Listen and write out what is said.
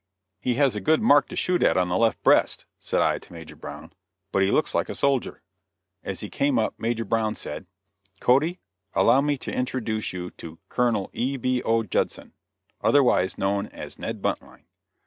"He has a good mark to shoot at on the left breast," said I to Major Brown, "but he looks like a soldier." As he came up, Major Brown said: "Cody, allow me to introduce you to Colonel E.B.O. Judson, otherwise known as Ned Buntline."